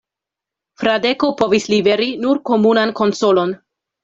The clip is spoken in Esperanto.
Fradeko povis liveri nur komunan konsolon.